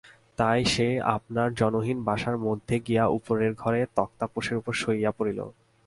তাই সে আপনার জনহীন বাসার মধ্যে গিয়া উপরের ঘরে তক্তপোশের উপর শুইয়া পড়িল।